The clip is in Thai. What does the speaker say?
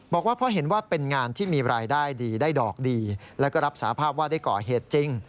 บอกว่าเพราะเห็นว่าเป็นงานที่มีรายได้ดีได้ดอกดีแล้วก็รับสาภาพว่าได้ก่อเหตุจริง